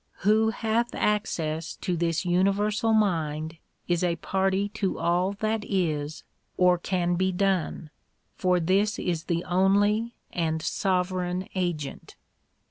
Who hath access to this universal mind is a party to all that is or can be done, for this is the only and sovereign agent.